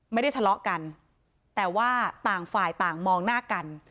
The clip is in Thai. ไม่ได้ทะเลาะกันแต่ว่าต่างฝ่ายต่างมองหน้ากัน